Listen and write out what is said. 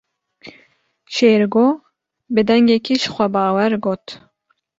Şêrgo bi dengekî jixwebawer got.